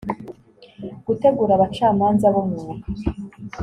gutegura abacamanza b'umwuga